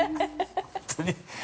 本当に。